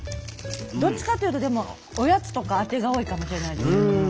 どっちかっていうとでもおやつとかアテが多いかもしれないですね。